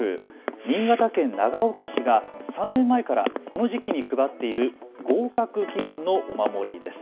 新潟県長岡市が３年前からこの時期に配っている合格祈願のお守りです。